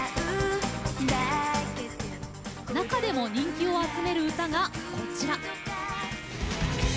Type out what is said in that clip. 中でも人気を集める歌がこちら。